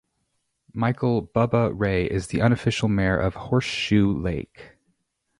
Michael "Bubba" Ray is the unofficial Mayor of Horseshoe Lake.